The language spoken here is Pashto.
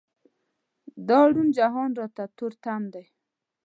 دا روڼ جهان راته تور تم دی.